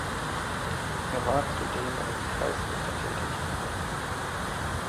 Er war zudem als Kreisrichter tätig.